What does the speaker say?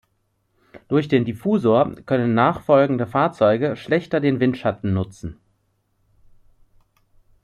Durch den Diffusor können nachfolgende Fahrzeuge schlechter den Windschatten nutzen.